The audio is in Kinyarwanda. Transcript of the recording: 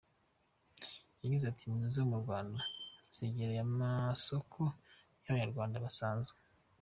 Yagize ati “Impunzi zo mu Rwanda, zegereye amasoko nk’Abanyarwanda basanzwe.